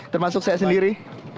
termasuk saya sendiri